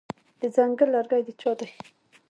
د ځنګل لرګي د چا دي؟